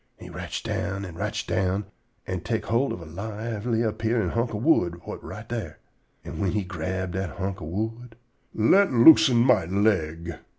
An' he rotch down an' rotch down, an' tek hold of a lively appearin' hunk o' wood whut right dar. An' whin he grab dat hunk of wood. ... "_Let loosen my leg!